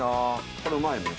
これうまいのよ